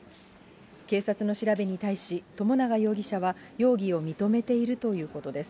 警察の調べに対し、友永容疑者は容疑を認めているということです。